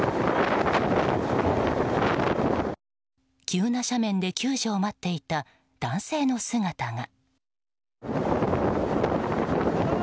急な斜面で救助を待っていた男性の姿が。